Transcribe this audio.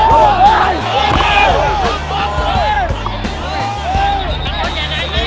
ตอนนี้สำรวจ